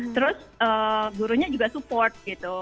terus gurunya juga support gitu